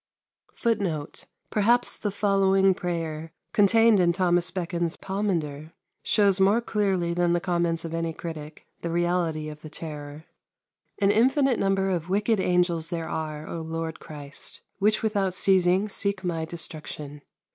[Footnote 1: Perhaps the following prayer, contained in Thomas Becon's "Pomander," shows more clearly than the comments of any critic the reality of the terror: "An infinite number of wicked angels there are, O Lord Christ, which without ceasing seek my destruction.